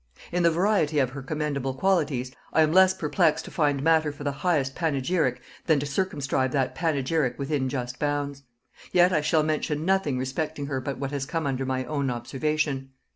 In the variety of her commendable qualities, I am less perplexed to find matter for the highest panegyric than to circumscribe that panegyric within just bounds. Yet I shall mention nothing respecting her but what has come under my own observation.